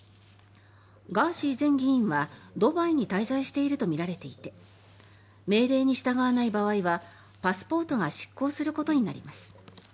ガーシー前議員は、ドバイに滞在しているとみられていて命令に従わない場合はパスポートが失効することになります。